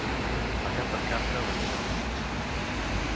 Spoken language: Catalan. Pecar per carta de més o de menys.